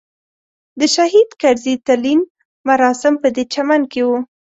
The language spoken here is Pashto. د شهید کرزي تلین مراسم پدې چمن کې وو.